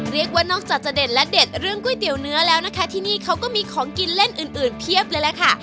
เรียกว่านอกจากจะเด็ดและเด็ดเรื่องก๋วยเตี๋ยวเนื้อแล้วนะคะที่นี่เขาก็มีของกินเล่นอื่นอื่นเพียบเลยล่ะค่ะ